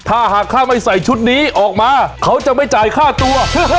ถ้าหากถ้าไม่ใส่ชุดนี้ออกมาเขาจะไม่จ่ายค่าตัว